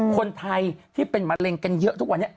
คนไทยที่เป็นมะเร็งกันเยอะทุกวันนี้